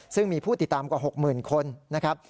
ซึ่งมีผู้ติดตามกว่าหกหมื่นคนนะครับ